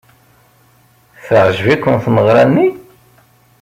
Teɛjeb-iken tmeɣra-nni?